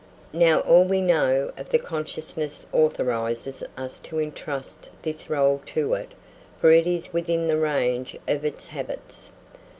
Now, all we know of the consciousness authorises us to entrust this rôle to it, for it is within the range of its habits.